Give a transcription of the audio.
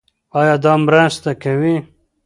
ایا دا مرسته کوي؟